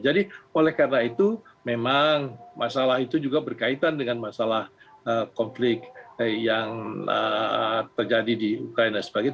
jadi oleh karena itu memang masalah itu juga berkaitan dengan masalah konflik yang terjadi di uke dan sebagainya